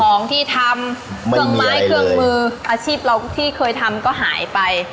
ของที่ทำเครื่องไม้เครื่องมืออาชีพเราที่เคยทำก็หายไป